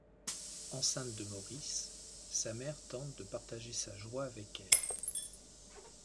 Enceinte de Maurice, sa mère tente de partager sa joie avec elle.